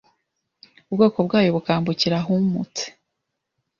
ubwoko bwayo bukambukira ahumutse